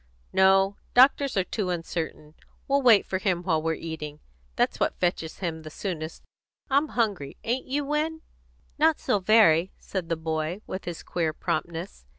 "No; doctors are too uncertain. We'll wait for him while we're eating. That's what fetches him the soonest. I'm hungry. Ain't you, Win?" "Not so very," said the boy, with his queer promptness.